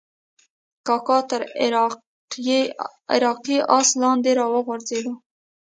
کاکا تر عراقي آس لاندې راوغورځېد.